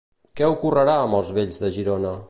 Què ocorrerà amb els vells de Girona?